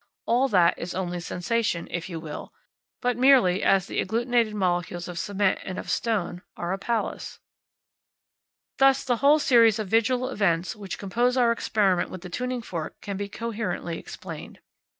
All that is only sensation, if you will; but merely as the agglutinated molecules of cement and of stone are a palace. Thus the whole series of visual events which compose our experiment with the tuning fork can be coherently explained.